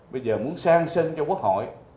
bây giờ muốn sang sân cho quốc hội